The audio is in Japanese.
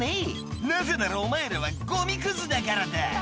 「なぜならお前らはゴミクズだからだ」